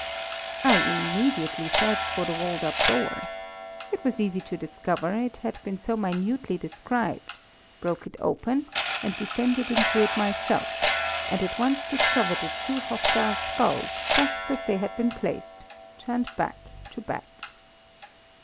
"I immediately searched for the walled up door. It was easy to discover, it had been so minutely described, broke it open and descended into it myself, and at once discovered the two hostile skulls, just as they had been placed, turned back to back.